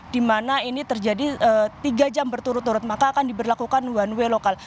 di mana ini terjadi tiga jam berturut turut maka akan diberlakukan one way lokal